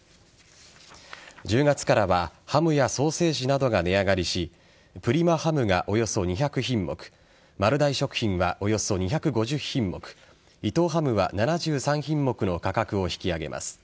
１０月からはハムやソーセージなどが値上がりしプリマハムがおよそ２００品目丸大食品はおよそ２５０品目伊藤ハムは７３品目の価格を引き上げます。